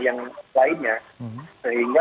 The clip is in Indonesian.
yang lainnya sehingga